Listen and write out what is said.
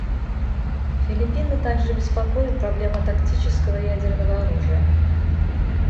Филиппины также беспокоит проблема тактического ядерного оружия.